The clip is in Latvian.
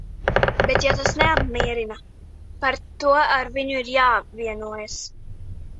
Bet ja tas neapmierina, par to ar viņu ir jāvienojas.